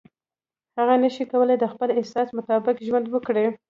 هغه نشي کولای د خپل احساس مطابق ژوند وکړي.